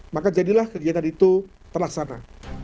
maka jadilah kegiatan itu terlaksana